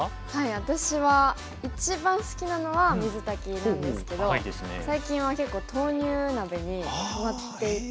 私は一番好きなのは水炊きなんですけど最近は結構豆乳鍋にはまっていて。